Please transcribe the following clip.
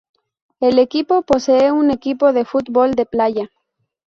El equipo posee un equipo de fútbol de playa.